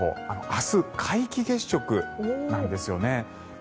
明日、皆既月食なんですよね。